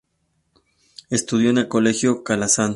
Estudió en el Colegio Calasanz.